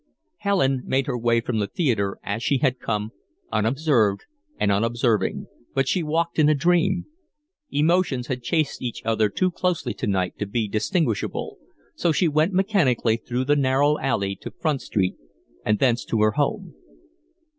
Helen made her way from the theatre as she had come, unobserved and unobserving, but she walked in a dream. Emotions had chased each other too closely to night to be distinguishable, so she went mechanically through the narrow alley to Front Street and thence to her home.